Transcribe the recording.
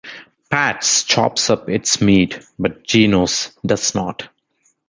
Pat's chops up its meat, but Geno's does not.